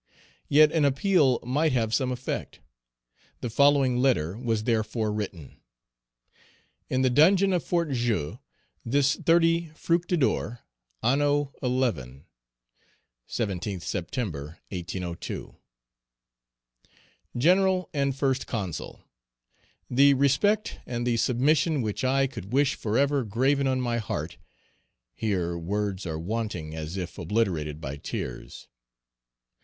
Yet an appeal might have some effect. The following letter was therefore written: In the dungeon of Fort Joux, this 30 Fructidor, an xi. (17th September, 1802.) "GENERAL, AND FIRST CONSUL, "The respect and the submission which I could wish forever graven on my heart [here words are wanting as if obliterated by tears].